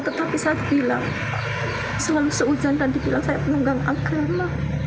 tetapi saya bilang selalu seujandang saya penunggang agama